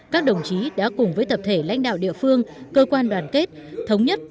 các đồng chí đã cùng với tập thể lãnh đạo địa phương cơ quan đoàn kết thống nhất